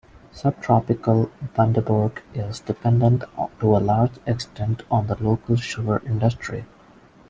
Subtropical Bundaberg is dependent to a large extent on the local sugar industry.